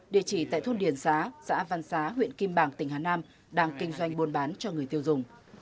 địa chỉ tại thôn điền xá xã văn xá huyện kim bảng tỉnh hà nam đang kinh doanh buôn bán cho người tiêu dùng